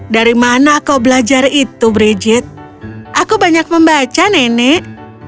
dari mana kau belajar itu brigit aku banyak membaca nenek